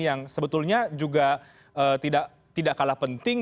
yang sebetulnya juga tidak kalah penting